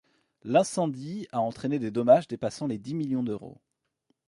L'incendie a entraîné des dommages dépassant les dix millions d'euros.